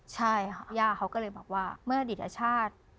ใช่ค่ะย่าเขาก็เลยบอกว่าเมื่ออดีตอชาติ